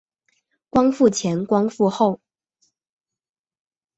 光复前光复后